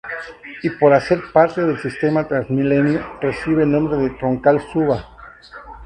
Y por hacer parte del sistema TransMilenio recibe el nombre de Troncal Suba.